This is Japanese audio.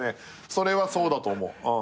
それはそうだと思う。